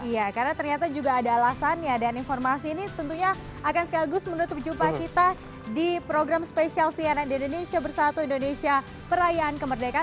iya karena ternyata juga ada alasannya dan informasi ini tentunya akan sekaligus menutup jumpa kita di program spesial cnn indonesia bersatu indonesia perayaan kemerdekaan